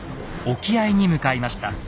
沖合に向かいました。